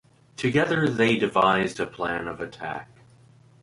Together they devised a plan of attack.